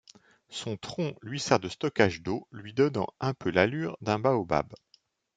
Son tronc lui sert de stockage d'eau lui donnant un peu l'allure d'un baobab.